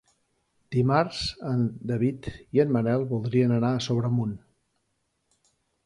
Dimarts en David i en Manel voldrien anar a Sobremunt.